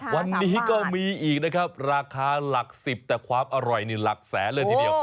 วันนี้ก็มีอีกนะครับราคาหลัก๑๐แต่ความอร่อยนี่หลักแสนเลยทีเดียว